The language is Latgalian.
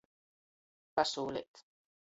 Pasūleit.